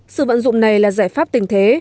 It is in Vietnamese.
sự vận dụng này là giải pháp tình thế